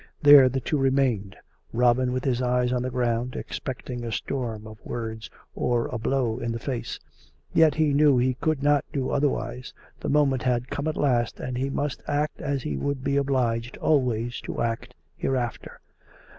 There the two remained; Robin with his eyes on the ground, expecting a storm of words or a blow in the face. Yet he knew he could do no otherwise; the moment had come at last and he must act as he would be obliged always to act hereafter.